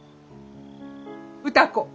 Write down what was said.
歌子。